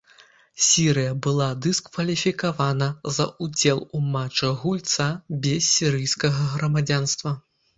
Сірыя была дыскваліфікавана за ўдзел у матчах гульца без сірыйскага грамадзянства.